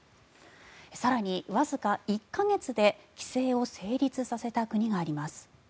更に、わずか１か月で規制を成立させた国があります。